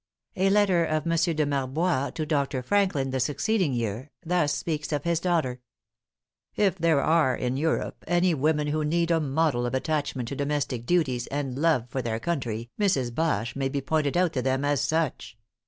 A letter of M. de Marbois to Dr. Franklin, the succeeding year thus speaks of his daughter: "If there are in Europe any women who need a model of attachment to domestic duties and love for their country, Mrs. Bache may be pointed out to them as such.